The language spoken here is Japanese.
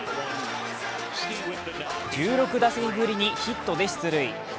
１６打席ぶりにヒットで出塁。